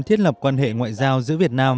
thiết lập quan hệ ngoại giao giữa việt nam